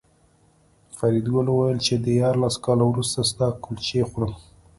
فریدګل وویل چې دیارلس کاله وروسته ستا کلچې خورم